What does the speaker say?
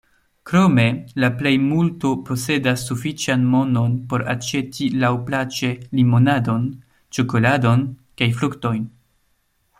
Krome la plej multo posedas sufiĉan monon por aĉeti laŭplaĉe limonadon, ĉokoladon kaj fruktojn.